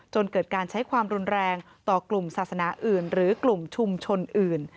จนเกิดการใช้ความรุนแรงต่อกลุ่มศาสนาอื่นหรือกลุ่มชุมชนอื่น